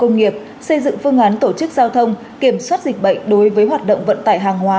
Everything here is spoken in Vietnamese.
công nghiệp xây dựng phương án tổ chức giao thông kiểm soát dịch bệnh đối với hoạt động vận tải hàng hóa